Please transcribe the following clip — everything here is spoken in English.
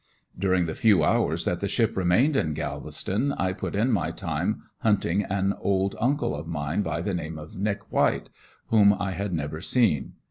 During the few hours that the ship remained in Galveston, I put in my time hunting an old uncle of mine by the name of "Nick" White, whom I had never seen.